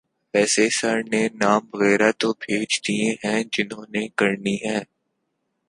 ویسے سر نے نام وغیرہ تو بھیج دیے ہیں جنہوں نے کرنی ہے۔